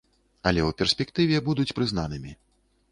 Але ў перспектыве будуць прызнанымі.